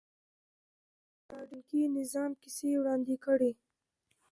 ازادي راډیو د بانکي نظام کیسې وړاندې کړي.